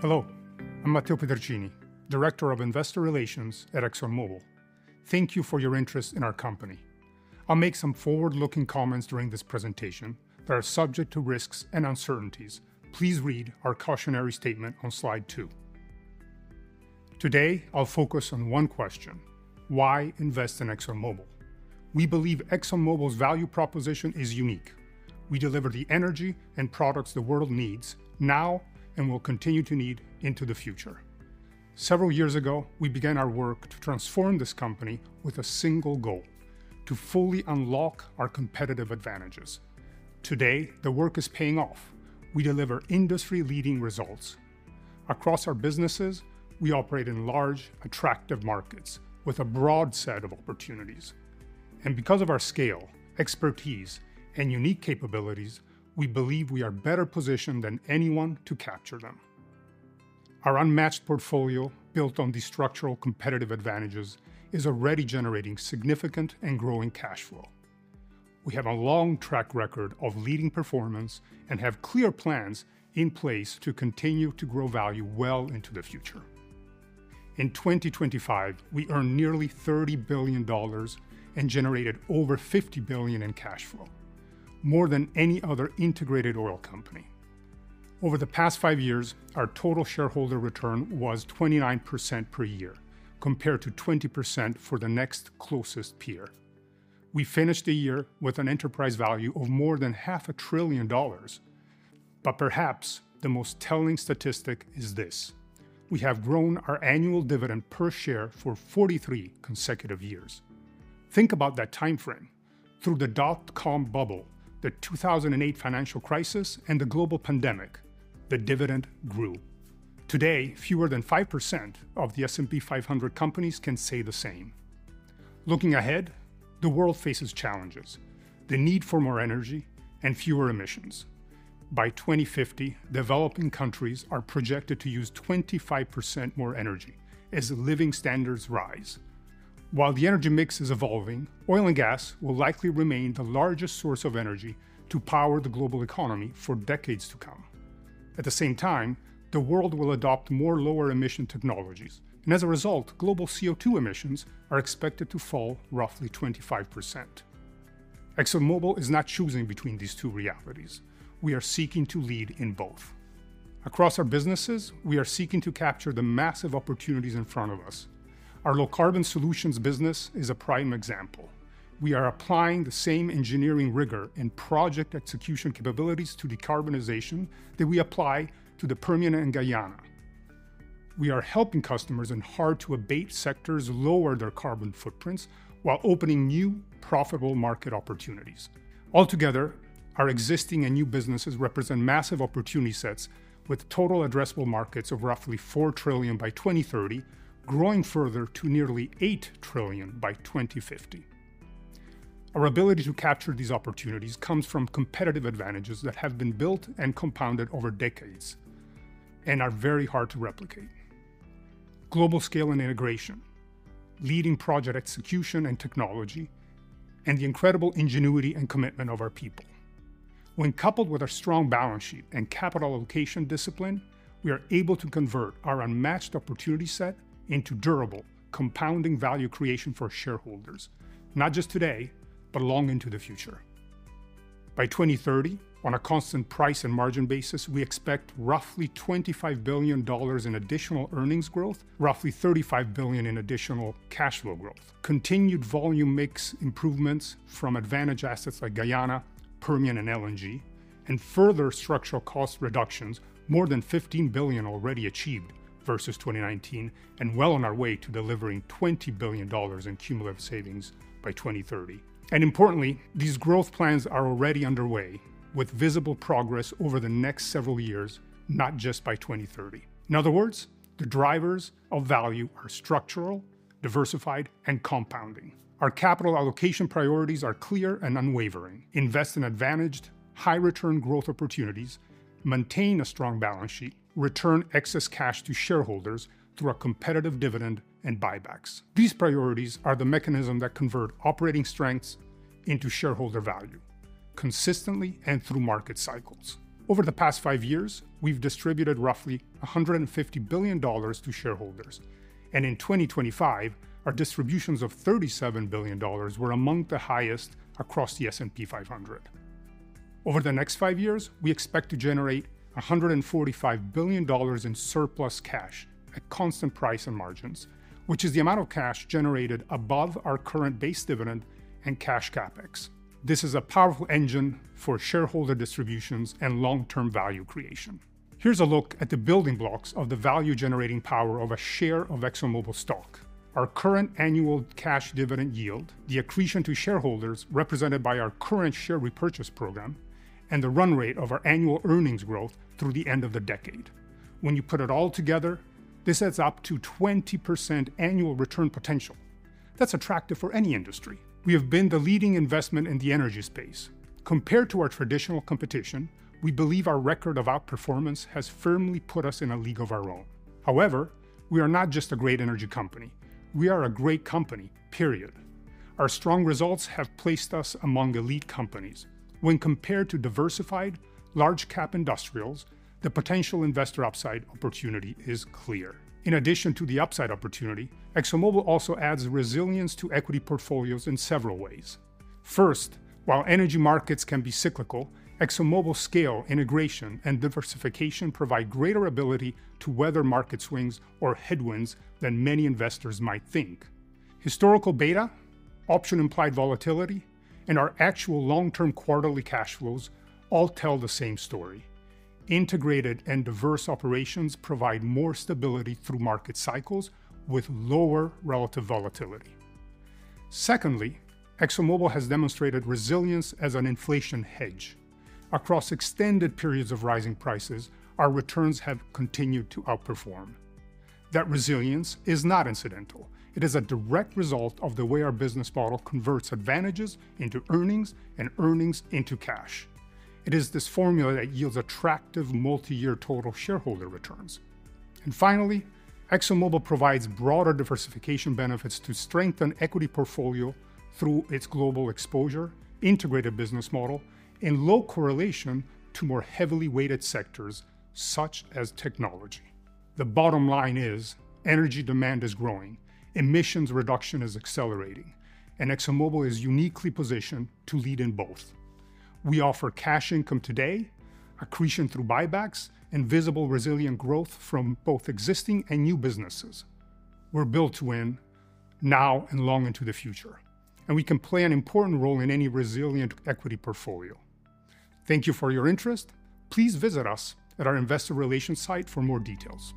Hello, I'm Matteo Peterlini, Director of Investor Relations at ExxonMobil. Thank you for your interest in our company. I'll make some forward-looking comments during this presentation that are subject to risks and uncertainties. Please read our cautionary statement on Slide 2. Today, I'll focus on one question: Why invest in ExxonMobil? We believe ExxonMobil's value proposition is unique. We deliver the energy and products the world needs now and will continue to need into the future. Several years ago, we began our work to transform this company with a single goal: to fully unlock our competitive advantages. Today, the work is paying off. We deliver industry-leading results. Across our businesses, we operate in large, attractive markets with a broad set of opportunities. Because of our scale, expertise, and unique capabilities, we believe we are better positioned than anyone to capture them. Our unmatched portfolio, built on these structural competitive advantages, is already generating significant and growing cash flow. We have a long track record of leading performance and have clear plans in place to continue to grow value well into the future. In 2025, we earned nearly $30 billion and generated over $50 billion in cash flow, more than any other integrated oil company. Over the past five years, our total shareholder return was 29% per year, compared to 20% for the next closest peer. We finished the year with an enterprise value of more than half a trillion dollars. Perhaps the most telling statistic is this: we have grown our annual dividend per share for 43 consecutive years. Think about that timeframe. Through the dot-com bubble, the 2008 financial crisis, and the global pandemic, the dividend grew. Today, fewer than 5% of the S&P 500 companies can say the same. Looking ahead, the world faces challenges, the need for more energy, and fewer emissions. By 2050, developing countries are projected to use 25% more energy as living standards rise. While the energy mix is evolving, oil and gas will likely remain the largest source of energy to power the global economy for decades to come. At the same time, the world will adopt more lower-emission technologies, and as a result, global CO2 emissions are expected to fall roughly 25%. ExxonMobil is not choosing between these two realities. We are seeking to lead in both. Across our businesses, we are seeking to capture the massive opportunities in front of us. Our Low Carbon Solutions business is a prime example. We are applying the same engineering rigor and project execution capabilities to decarbonization that we apply to the Permian and Guyana. We are helping customers in hard-to-abate sectors lower their carbon footprints while opening new profitable market opportunities. Altogether, our existing and new businesses represent massive opportunity sets with total addressable markets of roughly $4 trillion by 2030, growing further to nearly $8 trillion by 2050. Our ability to capture these opportunities comes from competitive advantages that have been built and compounded over decades and are very hard to replicate. Global scale and integration, leading project execution and technology, and the incredible ingenuity and commitment of our people. When coupled with our strong balance sheet and capital allocation discipline, we are able to convert our unmatched opportunity set into durable, compounding value creation for shareholders, not just today, but long into the future. By 2030, on a constant price and margin basis, we expect roughly $25 billion in additional earnings growth, roughly $35 billion in additional cash flow growth, continued volume mix improvements from advantage assets like Guyana, Permian, and LNG, and further structural cost reductions, more than $15 billion already achieved versus 2019, and well on our way to delivering $20 billion in cumulative savings by 2030. Importantly, these growth plans are already underway with visible progress over the next several years, not just by 2030. In other words, the drivers of value are structural, diversified, and compounding. Our capital allocation priorities are clear and unwavering. Invest in advantaged high return growth opportunities, maintain a strong balance sheet, return excess cash to shareholders through a competitive dividend and buybacks. These priorities are the mechanism that convert operating strengths into shareholder value consistently and through market cycles. Over the past five years, we've distributed roughly $150 billion to shareholders, and in 2025, our distributions of $37 billion were among the highest across the S&P 500. Over the next five years, we expect to generate $145 billion in surplus cash at constant price and margins, which is the amount of cash generated above our current base dividend and cash CapEx. This is a powerful engine for shareholder distributions and long-term value creation. Here's a look at the building blocks of the value-generating power of a share of ExxonMobil stock. Our current annual cash dividend yield, the accretion to shareholders represented by our current share repurchase program, and the run rate of our annual earnings growth through the end of the decade. When you put it all together, this adds up to 20% annual return potential. That's attractive for any industry. We have been the leading investment in the energy space. Compared to our traditional competition, we believe our record of outperformance has firmly put us in a league of our own. However, we are not just a great energy company. We are a great company, period. Our strong results have placed us among elite companies. When compared to diversified large cap industrials, the potential investor upside opportunity is clear. In addition to the upside opportunity, ExxonMobil also adds resilience to equity portfolios in several ways. First, while energy markets can be cyclical, ExxonMobil scale, integration, and diversification provide greater ability to weather market swings or headwinds than many investors might think. Historical beta, option implied volatility, and our actual long-term quarterly cash flows all tell the same story. Integrated and diverse operations provide more stability through market cycles with lower relative volatility. Secondly, ExxonMobil has demonstrated resilience as an inflation hedge. Across extended periods of rising prices, our returns have continued to outperform. That resilience is not incidental. It is a direct result of the way our business model converts advantages into earnings and earnings into cash. It is this formula that yields attractive multi-year total shareholder returns. Finally, ExxonMobil provides broader diversification benefits to strengthen equity portfolio through its global exposure, integrated business model, and low correlation to more heavily weighted sectors such as technology. The bottom line is energy demand is growing, emissions reduction is accelerating, and ExxonMobil is uniquely positioned to lead in both. We offer cash income today, accretion through buybacks, and visible resilient growth from both existing and new businesses. We're built to win now and long into the future, and we can play an important role in any resilient equity portfolio. Thank you for your interest. Please visit us at our investor relations site for more details.